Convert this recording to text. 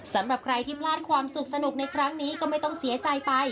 สำหรับใครที่พลาดความสุขสนุกในครั้งนี้ก็ไม่ต้องเสียใจไป